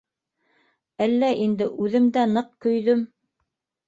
Әллә инде, үҙем дә ныҡ көйҙөм.